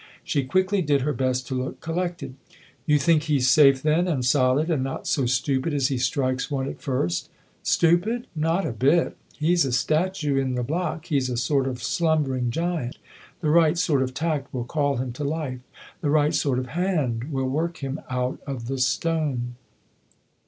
She quickly did her best to look collected. " You think he's safe then, and solid, and not so stupid as he strikes one at first ?"" Stupid ? not a bit. He's a statue in the block he's a sort of slumbering giant. The right sort of tact will call him to life, the right sort of hand will work him out of the stone."